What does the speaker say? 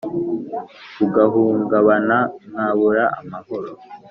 ugahungabana nkabura amahoro.